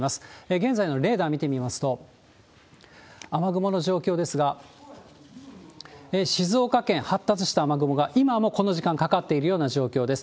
現在のレーダー見てみますと、雨雲の状況ですが、静岡県、発達した雨雲が今もこの時間、かかっているような状況です。